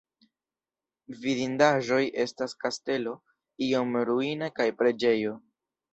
Vidindaĵoj estas kastelo iom ruina kaj preĝejo.